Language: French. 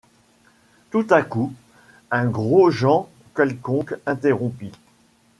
Tout à coup un Gros-Jean quelconque interrompit